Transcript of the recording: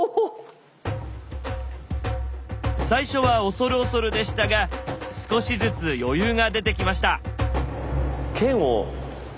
最初は恐る恐るでしたが少しずつ余裕が出てきました。